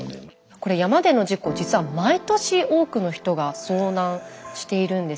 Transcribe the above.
これ山での事故実は毎年多くの人が遭難しているんですね。